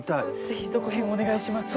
ぜひ続編をお願いします。